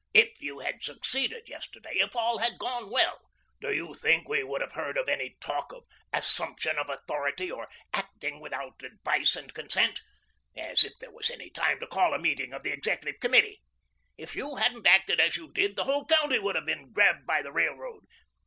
If you had succeeded yesterday, if all had gone well, do you think we would have heard of any talk of 'assumption of authority,' or 'acting without advice and consent'? As if there was any time to call a meeting of the Executive Committee. If you hadn't acted as you did, the whole county would have been grabbed by the Railroad.